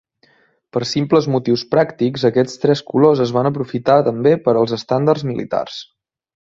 Per simples motius pràctics aquests tres colors es van aprofitar també per als estendards militars.